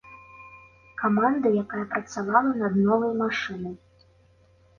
Каманда, якая працавала над новай машынай.